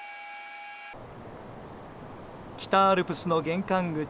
北アルプスの玄関口